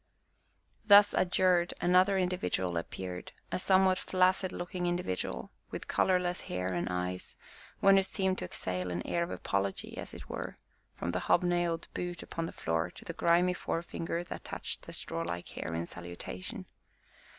Thus adjured, another individual appeared: a somewhat flaccid looking individual, with colorless hair and eyes, one who seemed to exhale an air of apology, as it were, from the hobnailed boot upon the floor to the grimy forefinger that touched the strawlike hair in salutation.